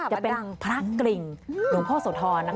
จะเป็นพระกริ่งหลวงพ่อโสธร